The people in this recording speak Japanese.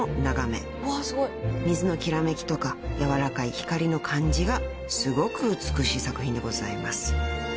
［水のきらめきとか柔らかい光の感じがすごく美しい作品でございます］